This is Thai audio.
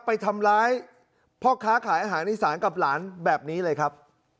ไปทำร้ายพ่อค้าขายอาหารอีสานกับหลานแบบนี้เลยครับ